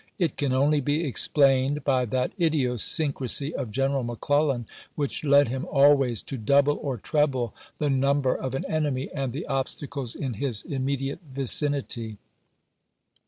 It can only be explained by that idiosyncrasy of Gen eral McClellan which led him always to double or treble the number of an enemy and the obstacles in his immediate vicinity.